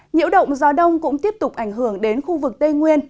nhiễu động gió đông cũng tiếp tục ảnh hưởng đến khu vực tây nguyên